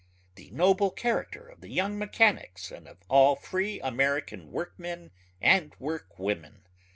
the noble character of the young mechanics and of all free American workmen and workwomen